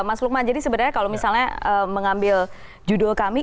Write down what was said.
mas lukman jadi sebenarnya kalau misalnya mengambil judul kami